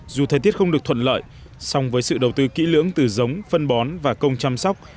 dù thời tiết không được thuận lợi song với sự đầu tư kỹ lưỡng từ giống phân bón và công chăm sóc